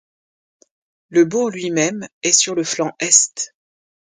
Le bourg lui-même est sur le flanc est.